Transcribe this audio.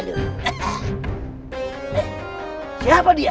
eh siapa dia